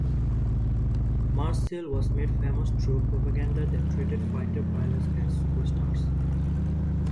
Marseille was made famous through propaganda that treated fighter pilots as superstars.